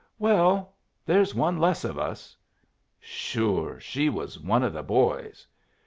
"Well there's one less of us." "Sure! She was one of the boys."